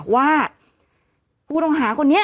ว่าผู้ต้องหาคนนี้